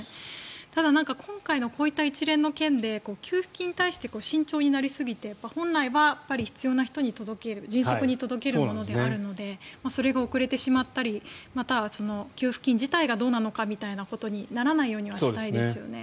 ただ、今回のこういった一連の件で給付金に対して慎重になりすぎて本来は必要な人に迅速に届けるものであるのでそれが遅れてしまったりまたは給付金自体がどうなのかということにはならないようにしたいですね。